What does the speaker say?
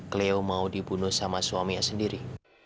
cleo mau dibunuh sama suami yang sendiri